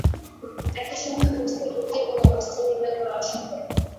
একই সময়ে বস্তুর গতি এবং অবস্থান নির্ণয় করা অসম্ভব।